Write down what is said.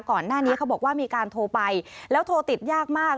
ก่อนหน้านี้เขาบอกว่ามีการโทรไปแล้วโทรติดยากมาก